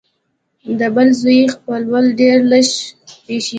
د بل زوی خپلول ډېر لږ پېښېږي